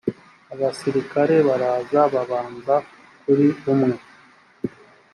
abasirikare baraza babanza kuri umwe